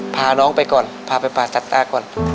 พาน้องไปก่อนพาไปผ่าตัดตาก่อน